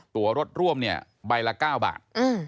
ตัวรถร่วมเนี่ยใบละ๙บาท